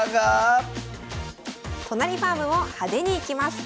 都成ファームも派手にいきます。